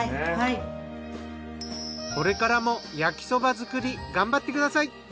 これからも焼きそば作り頑張ってください。